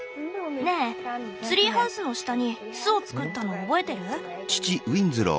ねえツリーハウスの下に巣を作ったの覚えてる？